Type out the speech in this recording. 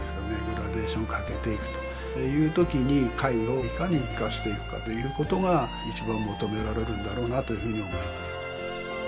グラデーションかけていくというときに貝をいかに生かしていくかということが一番求められるんだろうなというふうには思います